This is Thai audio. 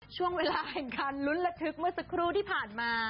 ช่วงเวลาแห่งการลุ้นระทึกเมื่อสักครู่ที่ผ่านมา